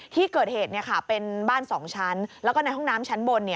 ที่เกิดเหตุเป็นบ้าน๒ชั้นแล้วก็ในห้องน้ำชั้นบน